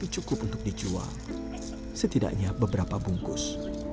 cukup untuk dijual setidaknya beberapa bungkus